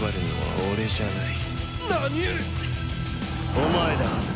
お前だ。